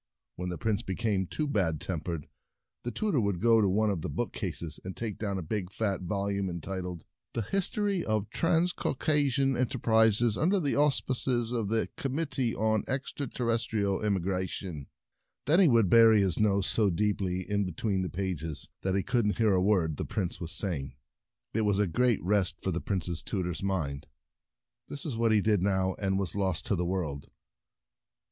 When the Prince became too bad tem pered, the tutor would go to one of the bookcases and take down a big fat volume entitled and the Dragons 19 "The History of Transcauca sian Enterprises under the Aus pices of the Committee on Extra territorial Immigration." Then he would bury his nose so deeply in between the pages that he couldn't hear a word the Prince was saying. It was A Good Title Deaf 20 The Prince To the a great rest for the Prince's World tutor's mind. This is what he did now and was lost to the world.